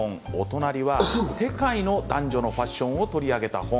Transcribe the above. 隣は世界の男女のファッションを取り上げた本。